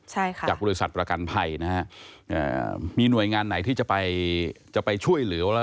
ใช่ค่ะจากบริษัทประกันภัยนะฮะอ่ามีหน่วยงานไหนที่จะไปจะไปช่วยเหลือแล้ว